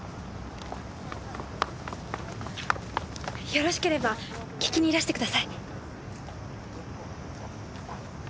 よろしければ聴きにいらしてください。